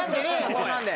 そんなんで。